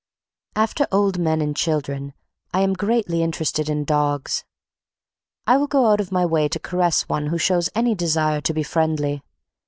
After old men and children I am greatly interested in dogs. I will go out of my way to caress one who shows any desire to be friendly.